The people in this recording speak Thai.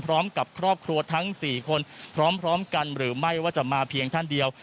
พร้อมกับครอบครัวทั้ง๔คนพร้อมกันหรือไม่ว่าจะมาเพียงท่านเดียว